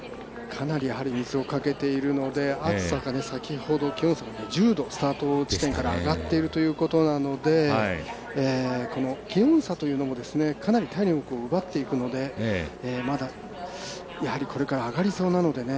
かなり水をかけていますので暑さが１０度、スタート地点から上がっているということでしたので気温差というのもかなり体力を奪っていくのでまだ、やはりこれから上がりそうなのでね